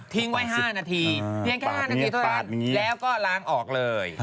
ทิ้งไว้๕นาทีแล้วก็ล้างออกเลย